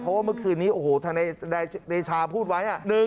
เพราะว่าเมื่อคืนนี้โอ้โหทนายเดชาพูดไว้